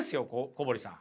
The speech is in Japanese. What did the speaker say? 小堀さん。